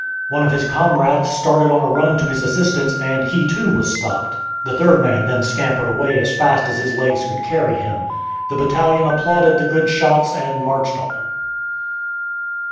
One of his comrades started on a run to his assistance, and he, too, was stopped. The third man then scampered away as fast as his legs could carry him. The battalion applauded the good shots and marched on.